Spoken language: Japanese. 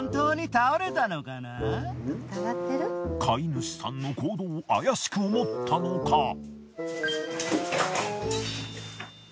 飼い主さんの行動を怪しく思ったのか。